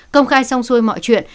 công khai song xuôi mọi chuyện